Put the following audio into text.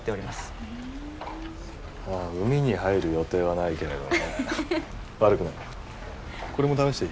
まあ海に入る予定はないけれどね。